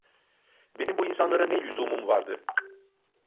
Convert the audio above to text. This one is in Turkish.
Benim bu insanlara ne lüzumum vardı?